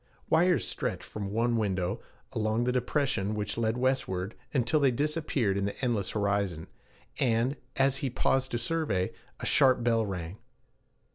Wires stretched from one window, along the depression which led westward, until they disappeared in the endless horizon; and, as he paused to survey, a sharp bell rang.